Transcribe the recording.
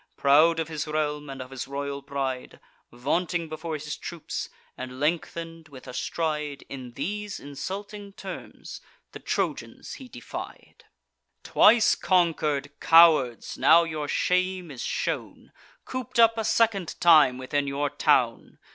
Proud of his realm, and of his royal bride, Vaunting before his troops, and lengthen'd with a stride, In these insulting terms the Trojans he defied: "Twice conquer'd cowards, now your shame is shown— Coop'd up a second time within your town!